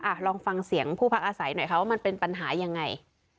ลองฟังเสียงผู้พักอาศัยหน่อยค่ะว่ามันเป็นปัญหายังไง